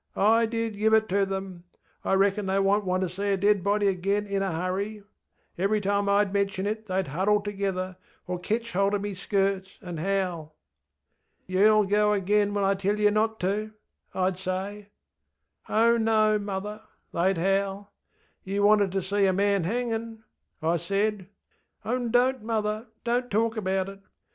I did give it to them. I reckon they wonŌĆÖt want ter see a dead body again in a hurry. Every time IŌĆÖd mention it theyŌĆÖd huddle together, or ketch hold of me skirts and howl. ŌĆśŌĆ£YerŌĆÖll go agen when I tell yer not to, ŌĆØ IŌĆÖd say. ŌĆśŌĆ£Oh no, mother, ŌĆØ theyŌĆÖd howl. ŌĆśŌĆ£Yer wanted ter see a man hanginŌĆÖ, ŌĆØ I said. ŌĆśŌĆ£Oh, donŌĆÖt, mother! DonŌĆÖt talk about it.